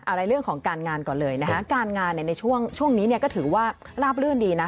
เอาในเรื่องของการงานก่อนเลยนะคะการงานในช่วงนี้เนี่ยก็ถือว่าลาบลื่นดีนะ